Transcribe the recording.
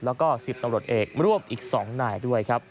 และศิษย์ตำรวจเอกร่วมอีก๒นายด้วย